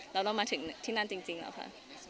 แล้วเรามาถึงที่นั่นจริงแล้วค่ะ